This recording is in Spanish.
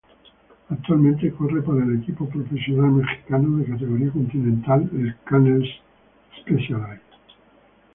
Actualmente corre para el equipo profesional mexicano de categoría Continental el Canel's-Specialized.